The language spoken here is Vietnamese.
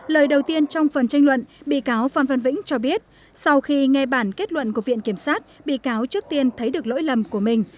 lời đầu tiên trong phần tranh luận bị cáo phan văn vĩnh cho biết sau khi nghe bản kết luận của viện kiểm sát bị cáo trước tiên thấy được lỗi lầm của mình